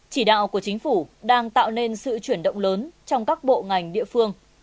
chỉ đạo của chính phủ đang tạo nên sự chuyển động lớn trong các bộ ngành địa phương